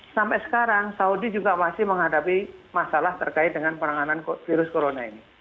sampai sekarang saudi juga masih menghadapi masalah terkait dengan penanganan virus corona ini